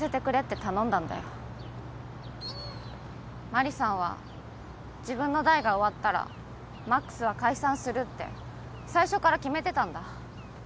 マリさんは自分の代が終わったら魔苦須は解散するって最初から決めてたんだ。